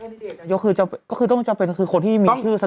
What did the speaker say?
แล้วแคลดิเตอร์นายกคนก็คือต้องจะเป็นคนที่มีชื่อเสนอ